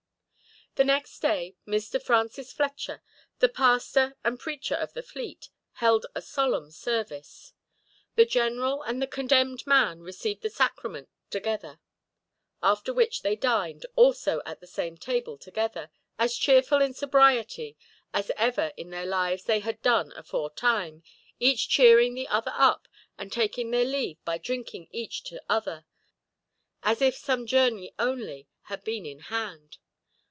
The next day Mr. Francis Fletcher, the pastor and preacher of the fleet, held a solemn service. The general and the condemned man received the sacrament together, after which they dined "also at the same table together, as cheerful in sobriety as ever in their lives they had done afore time, each cheering the other up, and taking their leave by drinking each to other, as if some journey only had been in hand."